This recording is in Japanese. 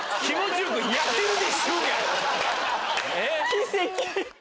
「奇跡」！